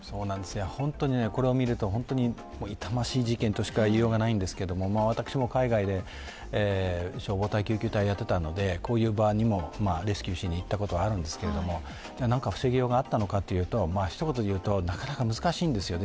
本当にこれを見ると痛ましい事件としか言いようがないんですが、私も海外で消防隊、救急隊をやっていたのでこういう場にもレスキューしに行ったことがあるんですけど何か防ぎようがあったのかというと、ひと言でいうと、なかなか難しいんですよね。